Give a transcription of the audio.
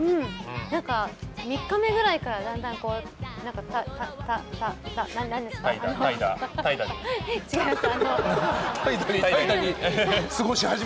３日目ぐらいからだんだんた、た。